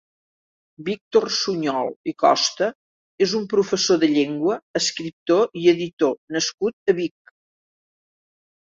Víctor Sunyol i Costa és un professor de llengua, escriptor i editor nascut a Vic.